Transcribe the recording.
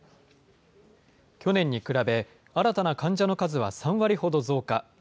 去年に比べ、新たな患者の数は３割ほど増加。